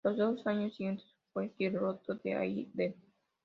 Los dos años siguientes fue piloto de Al Dean.